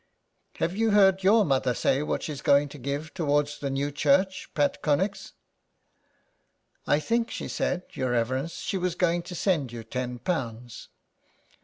Have you heard your mother say what she's going to give towards the new church, Pat Connex ?"'' I think she said, your reverence, she was going to send you ten pounds."